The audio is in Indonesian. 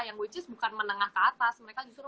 yang which is bukan menengah ke atas mereka justru